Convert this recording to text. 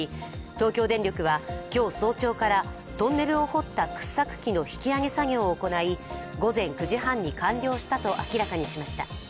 東京電力は今日早朝からトンネルを掘った掘削機の引き上げ作業を行い、午前９時半に完了したと明らかにしました。